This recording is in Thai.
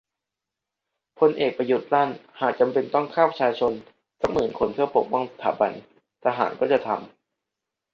พลเอกประยุทธ์ลั่นหากจำเป็นต้องฆ่าประชาชนสักหมื่นคนเพื่อปกป้องสถาบัน"ทหารก็จะทำ"